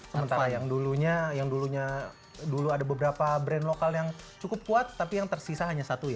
sementara yang dulunya yang dulunya dulu ada beberapa brand lokal yang cukup kuat tapi yang tersisa hanya satu ya